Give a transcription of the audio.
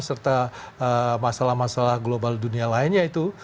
serta masalah masalah global dunia lainnya itu